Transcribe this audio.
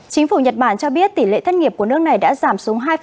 chính phủ nhật bản cho biết tỷ lệ thất nghiệp của nước này đã giảm xuống hai